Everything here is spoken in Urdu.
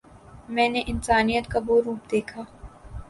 میں نے انسانیت کا وہ روپ دیکھا